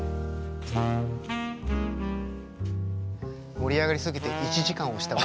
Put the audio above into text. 盛り上がりすぎて１時間押したわ。